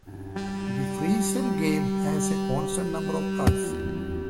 The FreeCell game has a constant number of cards.